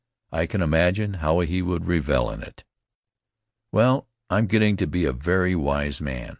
I can imagine how he would revel in it. Well, I'm getting to be a very wise man.